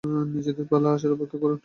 নিজের পালা আসার অপেক্ষা করুন।